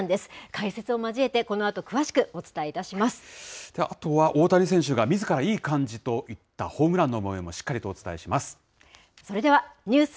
解説を交えて、このあと詳しくおあとは、大谷選手がみずからいい感じと言ったホームランのもようも、しっそれでは、ニュースＬＩＶＥ！